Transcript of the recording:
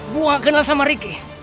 gue kenal sama ricky